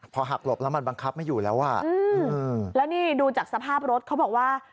พอหักหลบแล้วมันบังคับไม่อยู่แล้วอ่ะอืมแล้วนี่ดูจากสภาพรถเขาบอกว่า